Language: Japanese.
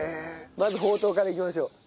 まずほうとうからいきましょう。